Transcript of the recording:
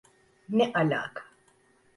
Ne alaka?